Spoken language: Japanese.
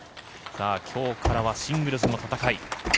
今日からはシングルスの戦い。